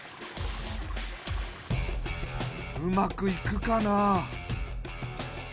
うまくいくかな？